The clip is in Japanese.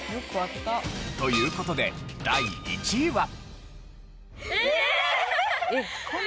という事で第１位は。